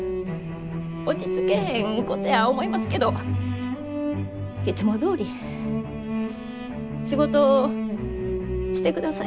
落ち着けへんことや思いますけどいつもどおり仕事してください。